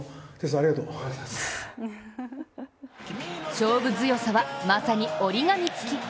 勝負強さは、まさに折り紙付き。